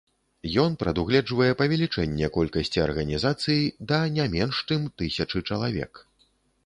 Ён прадугледжвае павелічэнне колькасці арганізацыі да не менш чым тысячы чалавек.